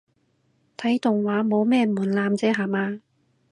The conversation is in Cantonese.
睇動畫冇咩門檻啫吓嘛